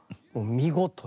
見事。